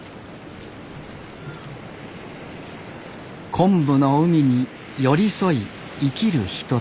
昆布の海に寄り添い生きる人たち。